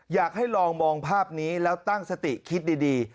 อยากให้ลองมองภาพนี้แล้วตั้งสติคิดดี